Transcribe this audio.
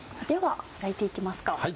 では焼いて行きますか。